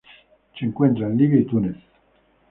Se encuentra en Libia y Túnez.